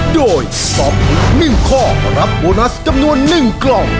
โดยตอบถูก๑ข้อรับโบนัสจำนวน๑กล่อง